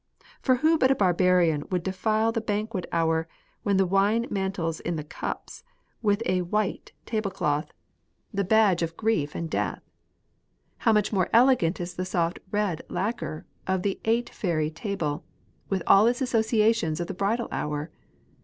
For who but a barbarian would defile the banquet hour " when the wine mantles in the cups'' with a white table 20 ETIQUETTE. cloth, the badge of grief and death ? How much more elegant the soft red lacquer of the ''eight fairy" table, with all its associations of the bridal hour